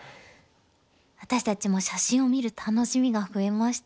私たちも写真を見る楽しみが増えました。